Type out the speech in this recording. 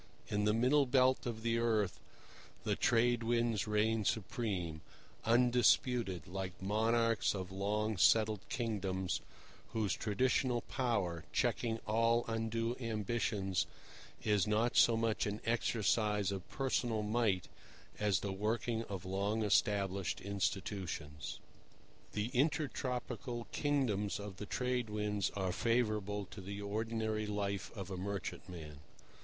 In the middle belt of the earth the Trade Winds reign supreme, undisputed, like monarchs of long settled kingdoms, whose traditional power, checking all undue ambitions, is not so much an exercise of personal might as the working of long established institutions. The intertropical kingdoms of the Trade Winds are favourable to the ordinary life of a merchantman.